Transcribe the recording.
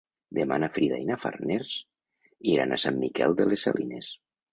Demà na Frida i na Farners iran a Sant Miquel de les Salines.